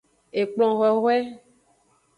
Ekplon hwehwe.